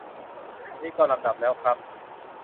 นี่ก็ลำดับแล้วครับ